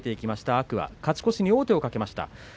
天空海、勝ち越しに王手をかけました。